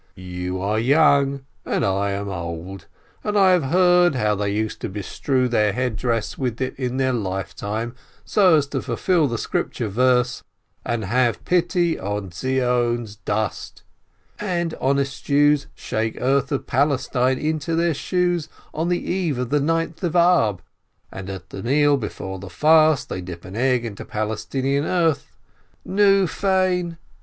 You are young, and I am old, and I have heard how they used to bestrew their head dress with it in their lifetime, so as to fulfil the Scripture verse, 'And have pity on Zion's dust,' and honest Jews shake earth of Palestine into their shoes on the eve of the Ninth of Ab, and at the meal before the fast they dip an egg into Palestinian earth — nu, fein !